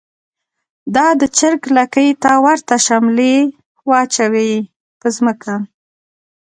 دا د چر ګ لکۍ ته ورته شملی واچوی په ځمکه